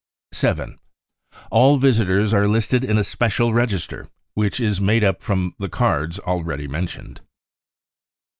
7. All visitors are listed in a special register, which b. made up from the cards already mentioned.